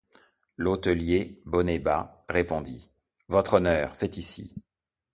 L’hôtelier, bonnet bas, répondit: — Votre Honneur, c’est ici.